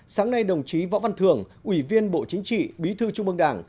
sáng nay đồng chí võ văn thường ủy viên bộ chính trị bí thư trung mương đảng